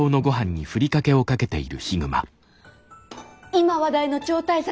今話題の超大作。